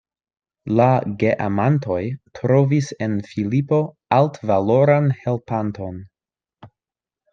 La geamantoj trovis en Filipo altvaloran helpanton.